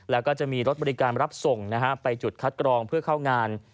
แล้วก็จะมีรถบริการรับส่งไปจุดคัดกรองเพื่อเข้างาน